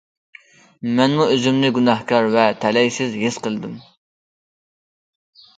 مەنمۇ ئۆزۈمنى گۇناھكار ۋە تەلەيسىز ھېس قىلدىم.